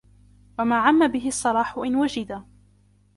وَمَا عَمَّ بِهِ الصَّلَاحُ إنْ وُجِدَ